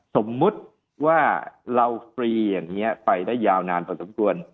สมมุติว่าเราฟรีอย่างนี้ไปได้ยาวนานพอสมควร